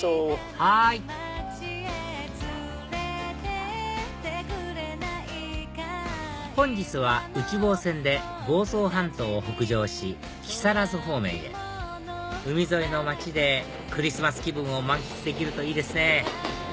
はい本日は内房線で房総半島を北上し木更津方面へ海沿いの街でクリスマス気分を満喫できるといいですね